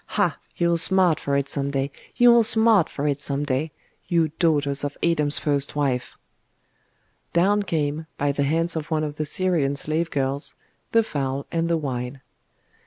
Ah, you'll smart for it some day you'll smart for it some day, you daughters of Adam's first wife!' Down came, by the hands of one of the Syrian slave girls, the fowl and the wine.